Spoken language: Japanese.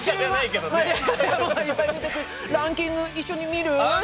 ランキング、一緒に見る？